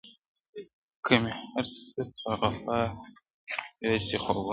• که مي هر څه په غپا یوسي خوبونه -